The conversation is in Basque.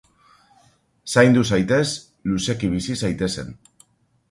Zaindu zaitez, luzeki bizi zaitezen.